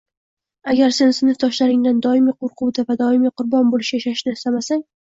Agar sen sinfdoshlaringdan doimiy qo‘rquvda va doimiy qurbon bo‘lish yashashni istamasang